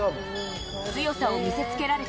強さを見せ付けられた。